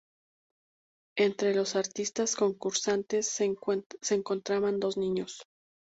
Entre los artistas concursantes se encontraban dos niños.